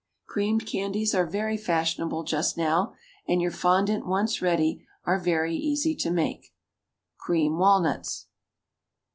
Creamed candies are very fashionable just now, and, your fondant once ready, are very easy to make. CREAM WALNUTS.